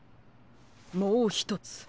もうひとつ。